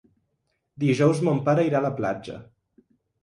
Dijous mon pare irà a la platja.